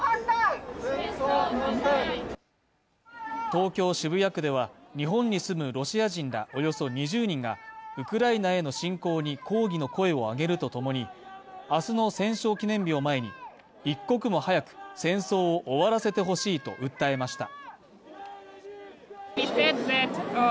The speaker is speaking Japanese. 東京・渋谷区では日本に住むロシア人らおよそ２０人が、ウクライナへの侵攻に抗議の声を上げるとともに明日の戦勝記念日を前に、一刻も早く戦争を終わらせてほしいと訴えました。